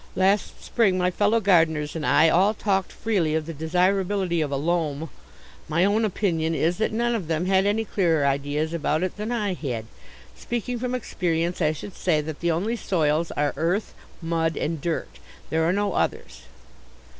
Last spring my fellow gardeners and I all talked freely of the desirability of "a loam." My own opinion is that none of them had any clearer ideas about it than I had. Speaking from experience, I should say that the only soils are earth, mud and dirt. There are no others.